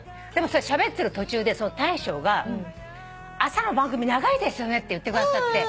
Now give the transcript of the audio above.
しゃべってる途中で大将が「朝の番組長いですよね」って言ってくださって。